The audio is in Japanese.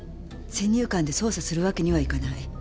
先入観で捜査するわけにはいかない。